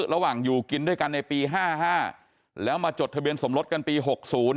ระหว่างอยู่กินด้วยกันในปีห้าห้าแล้วมาจดทะเบียนสมรสกันปีหกศูนย์